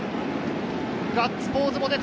ガッツポーズも出た。